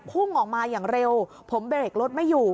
พุ่งออกมาอย่างเร็วผมเบรกรถไม่อยู่